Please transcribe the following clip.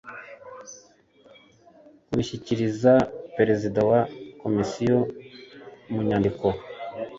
bushyikirizwa perezida wa komisiyo mu nyandiko